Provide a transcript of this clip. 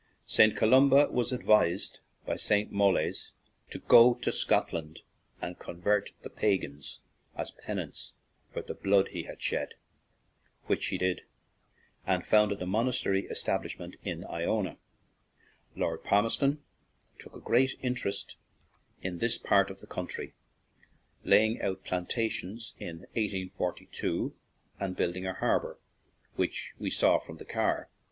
St. Columba was advised by St. Molaise to go to Scotland and convert the pagans 63 ON AN IRISH JAUNTING CAR as penance for the blood he had shed, which he did, and founded a missionary establishment in Iona. Lord Palmerston took a great interest in this part of the country, laying out plantations in 1842 and building a har bor, which we saw from the car.